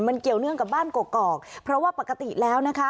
มันเกี่ยวเนื่องกับบ้านกอกเพราะว่าปกติแล้วนะคะ